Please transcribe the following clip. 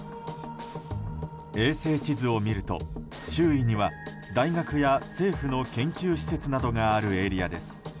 衛星地図を見ると周囲には大学や政府の研究施設などがあるエリアです。